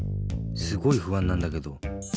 すごいふあんなんだけど。